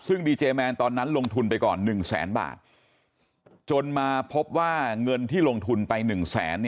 ซึ่งดีเจแมนตอนนั้นลงทุนไปก่อน๑แสนบาทจนมาพบว่าเงินที่ลงทุนไป๑แสน